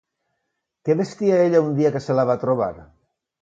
Què vestia ella un dia que se la va trobar?